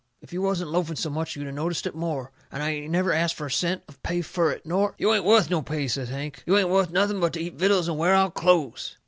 If you wasn't loafing so much you'd a noticed it more. And I ain't never ast fur a cent of pay fur it, nor " "You ain't wuth no pay," says Hank. "You ain't wuth nothing but to eat vittles and wear out clothes."